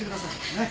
ねっ？